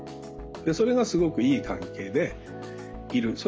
でそれがすごくいい関係でいる。